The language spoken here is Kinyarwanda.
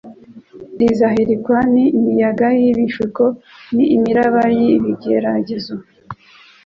Izahirikwa n'imiyaga y'ibishuko n'imiraba y'ibigeragezo.